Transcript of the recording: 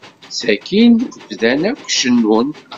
Sakkin bdan akk cennun.